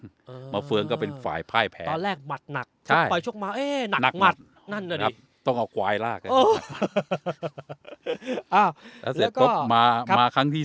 เออมาเฟืองก็เป็นฝ่ายพล่ายแผนตอนแรกหมัดหนักใช่